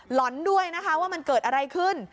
หอนด้วยนะคะว่ามันเกิดอะไรขึ้น